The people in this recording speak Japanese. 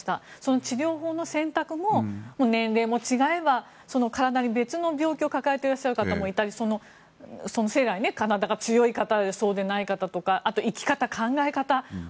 治療法の選択も年齢も違えば体に別の病気を抱えていらっしゃる方もいたり生来、体が強い方とかそうでない方とか生き方、考え方